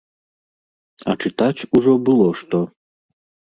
А чытаць ужо было што.